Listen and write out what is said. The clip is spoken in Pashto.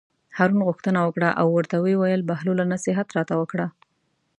هارون غوښتنه وکړه او ورته ویې ویل: بهلوله نصیحت راته وکړه.